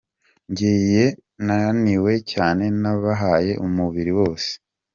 Ngiye naniwe cyane nabahaye umubiri wose.